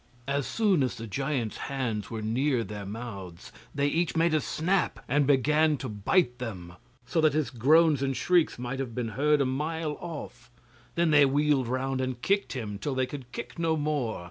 As soon as the giant's hands were near their mouths they each made a snap, and began to bit them, so that his groans and shrieks might have been heard a mile off. Then they wheeled round and kicked him till they could kick no more.